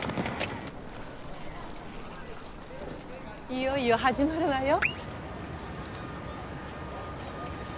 いよいよ始まるわよ。